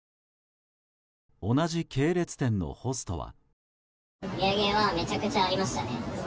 同じ系列店のホストは。